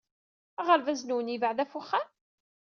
Aɣerbaz-nwen yebɛed ɣef wexxam?